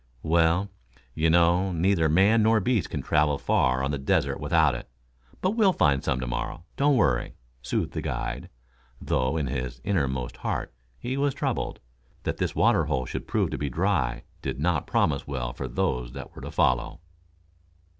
"Well, you know, neither man nor beast can travel far on the desert without it. But we'll find some to morrow. Don't worry," soothed the guide, though in his innermost heart he was troubled. That this water hole should prove to be dry did not promise well for those that were to follow.